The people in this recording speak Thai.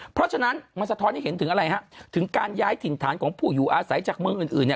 เพราะฉะนั้นมันสะท้อนให้เห็นถึงอะไรฮะถึงการย้ายถิ่นฐานของผู้อยู่อาศัยจากเมืองอื่นเนี่ย